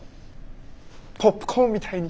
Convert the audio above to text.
ポップコーンみたいに。